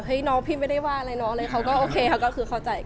ห้ยน้องพี่ไม่ได้ว่าอะไรน้องอะไรเขาก็โอเคเขาก็คือเข้าใจกัน